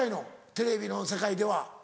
テレビの世界では。